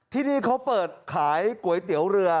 ที่นี่เขาเปิดขายก๋วยเตี๋ยวเรือ